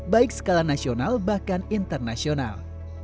baik skala nasional bahkan internasional